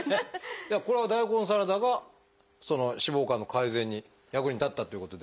これは大根サラダが脂肪肝の改善に役に立ったということでよろしいですか？